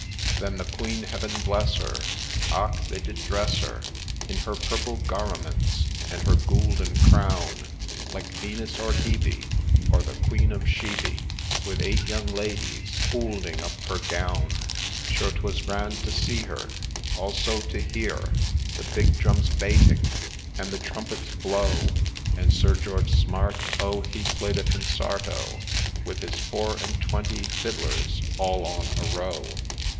' Then the Queen, Heaven bless her ! och ! they did dress her In her purple garaments and her goulden Crown ; Like Venus or Hebe, or the Queen of Sheby, With eight young ladies houlding up her gown, Sure 'twas grand to see her, also for to he ar The big drums bating, and the trumpets blow, And Sir George Smart ! Oh ! he play'd a Consarto, With his four and twenty fiddlers all on a row